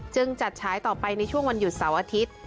จัดฉายต่อไปในช่วงวันหยุดเสาร์อาทิตย์